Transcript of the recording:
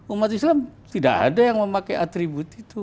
umat islam tidak ada yang memakai atribut itu